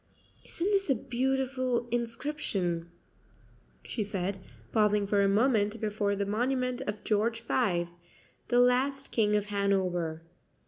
"Isn't this a beautiful inscription?" she said, pausing for a moment before the monument of George V., the last king of Hanover.